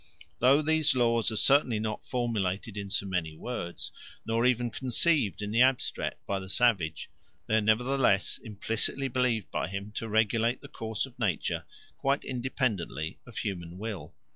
Though these laws are certainly not formulated in so many words nor even conceived in the abstract by the savage, they are nevertheless implicitly believed by him to regulate the course of nature quite independently of human will.